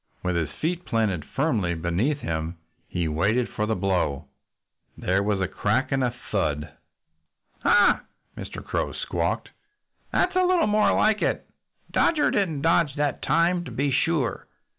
With his feet planted firmly beneath him he waited for the blow. There was a crack and a thud. "Ha!" Mr. Crow squawked. "That's a little more like it. Dodger didn't dodge that time, to be sure.